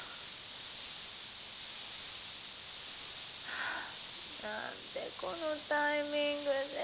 はあなんでこのタイミングで！